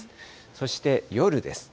そして夜です。